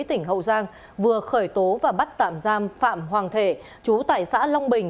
tỉnh hậu giang vừa khởi tố và bắt tạm giam phạm hoàng thể chú tại xã long bình